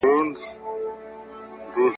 قدم وهلو ته تللی وم !.